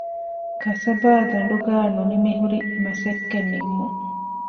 ކަސަބާދަނޑުގައި ނުނިމިހުރި މަސައްކަތް ނިންމުން